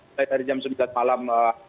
mulai dari jam sembilan malam